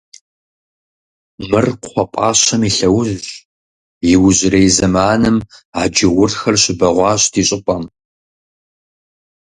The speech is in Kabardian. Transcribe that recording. — Мыр кхъуэпӀащэм и лъэужьщ, иужьрей зэманым а джаурхэр щыбэгъуащ ди щӀыпӀэм.